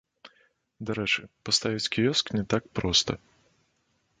Дарэчы, паставіць кіёск не так проста.